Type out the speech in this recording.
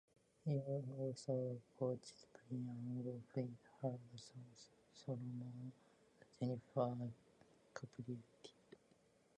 He also coached Brian Gottfried, Harold Solomon and Jennifer Capriati.